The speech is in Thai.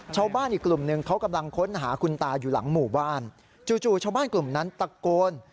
ชาวบ้านอีกกลุ่มหนึ่งเขากำลังค้นหาคุณตาอยู่หลังหมู่บ้านจู่ชาวบ้านกลุ่มนั้นตะโกน